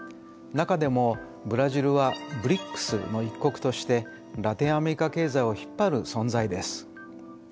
中でもブラジルはＢＲＩＣＳの一国としてラテンアメリカ経済を引っ張る存在です。